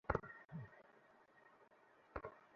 দেখিয়ে দাও তাদের, তুমি কী করতে পারো।